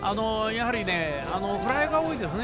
やはり、フライが多いですね